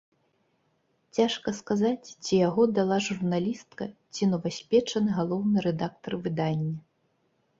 Цяжка сказаць, ці яго дала журналістка, ці новаспечаны галоўны рэдактар выдання.